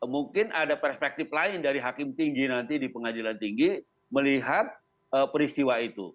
mungkin ada perspektif lain dari hakim tinggi nanti di pengadilan tinggi melihat peristiwa itu